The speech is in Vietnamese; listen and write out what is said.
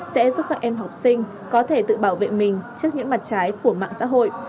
sẽ giúp các em học sinh có thể tự bảo vệ mình trước những mặt trái của mạng xã hội